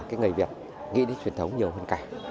cái người việt nghĩ đến truyền thống nhiều hơn cả